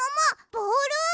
ボール！？